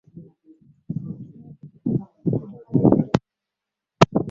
kuwa na tamaa ya kusaka mafanikio zaidi ndoto huenda zisitimie Mayanja alisisitiza kuwa